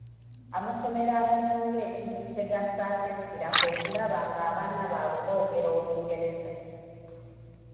Amasomero agasinga ekintu kyegassaako essira kwe kulaba nga abaana baabwe boogera Olungereza.